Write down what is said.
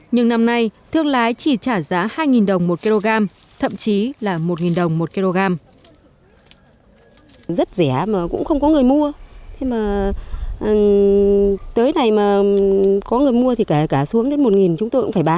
nhưng năm nay thương lái chỉ trả giá hai đồng một kg thậm chí là một đồng một kg